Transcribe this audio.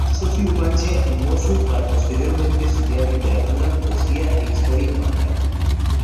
Pasó su infancia en Mosul para posteriormente estudiar literatura, poesía e historia en Bagdad.